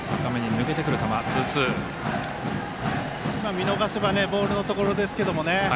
見逃せばボールのところですけどね